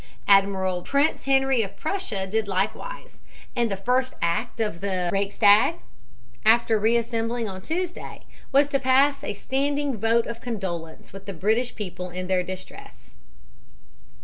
Admiral Prince Henry of Prussia did likewise, and the first act of the Reichstag, after reassembling on Tuesday, was to pass a standing vote of condolence with the British people in their distress.